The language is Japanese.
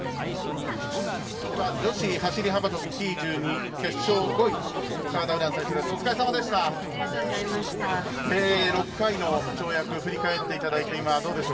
女子走り幅跳びＴ１２決勝５位の澤田優蘭選手です。